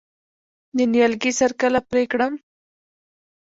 د نیالګي سر کله پرې کړم؟